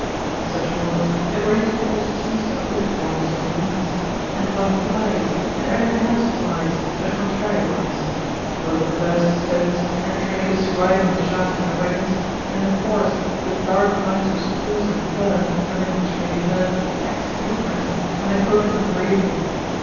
At such moments a great force seems to uplift one as on wings; and one flies, and everything else flies, but contrariwise both the verst stones, and traders riding on the shafts of their waggons, and the forest with dark lines of spruce and fir amid which may be heard the axe of the woodcutter and the croaking of the raven.